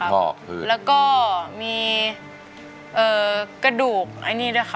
แล้วก็มีกระดูก